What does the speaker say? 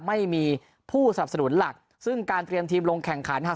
ไม่มีผู้สนับสนุนหลักซึ่งการเตรียมทีมลงแข่งขันหาก